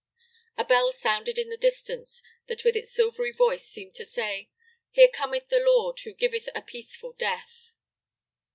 A bell sounded in the distance that with its silvery voice seemed to say: "Here cometh the Lord, who giveth a peaceful death."